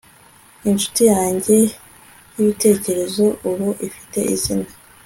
inshuti yanjye yibitekerezo ubu ifite izina